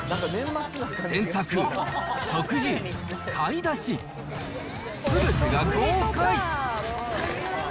洗濯、食事、買い出し、すべてが豪快。